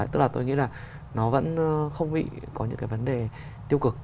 tức là tôi nghĩ là nó vẫn không bị có những cái vấn đề tiêu cực